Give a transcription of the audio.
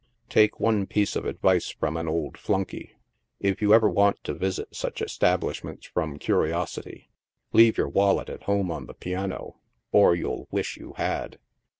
Take one piece of advice from an old Flankey ; if you ever want to visit such establishments from cariosity, leave your wallet at home on the piano, or you'll wish you had.